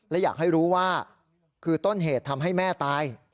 และอยากให้รู้ว่าคือต้นเหตุทำให้แม่ตาย